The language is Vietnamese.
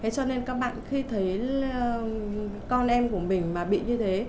cho nên các bạn khi thấy con em của mình mà bị như thế